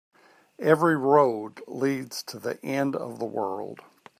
Every road leads to the end of the world.